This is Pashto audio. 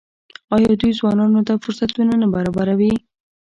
آیا دوی ځوانانو ته فرصتونه نه برابروي؟